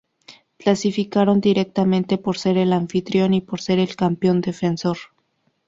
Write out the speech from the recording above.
Clasificaron directamente por ser el anfitrión y por ser el campeón defensor.